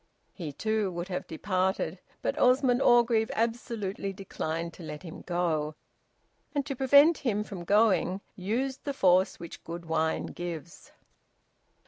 He too would have departed. But Osmond Orgreave absolutely declined to let him go, and to prevent him from going used the force which good wine gives.